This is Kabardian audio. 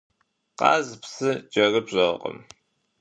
Къаз псы кӏэрыпщӏэркъым.